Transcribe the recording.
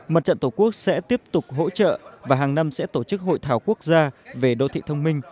mặt trận tổ quốc sẽ tiếp tục hỗ trợ và hàng năm sẽ tổ chức hội thảo quốc gia về đô thị thông minh